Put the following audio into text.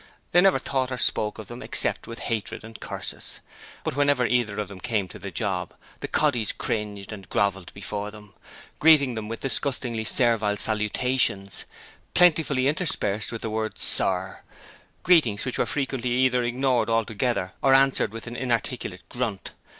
They never thought or spoke of them except with hatred and curses. But whenever either of them came to the 'job' the 'coddies' cringed and grovelled before them, greeting them with disgustingly servile salutations, plentifully interspersed with the word 'Sir', greetings which were frequently either ignored altogether or answered with an inarticulate grunt.